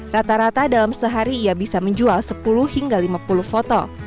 rata rata dalam sehari ia bisa menjual sepuluh hingga lima puluh foto